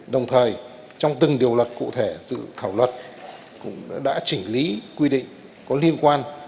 đồng thời trong từng điều luật cụ thể dự thảo luật cũng đã chỉnh lý quy định có liên quan